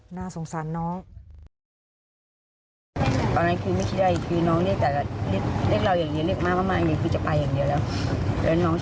ค่ะน่าสงสัยน้อง